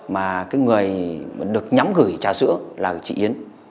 mà cái người được nhắm gửi trà sữa là chị yến